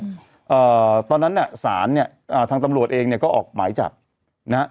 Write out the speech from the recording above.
เอ่อตอนนั้นน่ะสารเนี้ยอ่าทางตำรวจเองเนี้ยก็ออกหมายจับนะฮะ